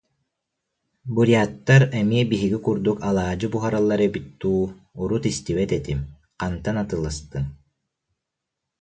Буряттар эмиэ биһиги курдук алаадьы буһараллар эбит дуу, урут истибэт этим, хантан атыыластыҥ